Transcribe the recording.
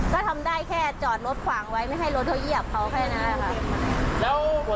ก็ทำได้แค่จอดรถขวางไว้ไม่ให้รถเขาเหยียบเขาแค่นั้นนะคะ